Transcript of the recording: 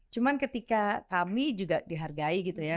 cuma ketika kami juga dihargai gitu ya